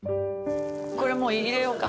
これもう入れようか。